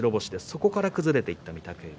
そこから崩れていった御嶽海。